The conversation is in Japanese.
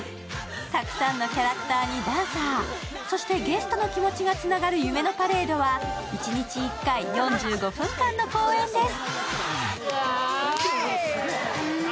たくさんのキャラクターにダンサー、そして、ゲストの気持ちがつながる夢のパレードは一日１回、４５分間の公演です。